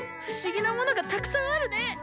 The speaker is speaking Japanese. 不思議なものがたくさんあるね！